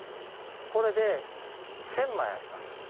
これで１０００枚あります。